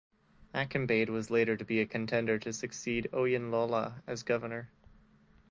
Akinbade was later to be a contender to succeed Oyinlola as governor.